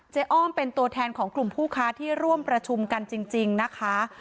อ้อมเป็นตัวแทนของกลุ่มผู้ค้าที่ร่วมประชุมกันจริงนะคะ